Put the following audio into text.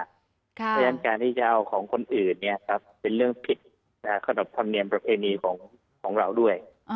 เพราะฉะนั้นการที่จะเอาของคนอื่นเป็นเรื่องผิดขนบธรรมเนียมประเพณีของเราด้วย